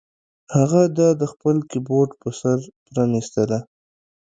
هغه دا د خپل کیبورډ په سر پرانیستله